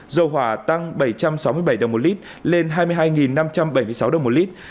dầu hỏa tăng bảy trăm sáu mươi bảy đồng một lít lên hai mươi hai năm trăm bảy mươi sáu đồng một lít